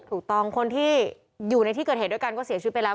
ถูกต้องคนที่อยู่ในที่เกิดเหตุด้วยกันก็เสียชีวิตไปแล้ว